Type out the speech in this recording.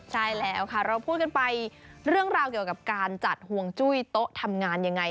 ใช่แล้วค่ะเราพูดกันไปเรื่องราวเกี่ยวกับการจัดห่วงจุ้ยโต๊ะทำงานยังไง